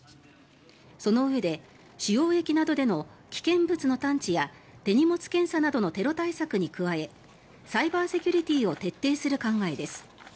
そのうえで主要駅などでの危険物の探知や手荷物検査などのテロ対策に加えサイバーセキュリティーを徹底する考えです。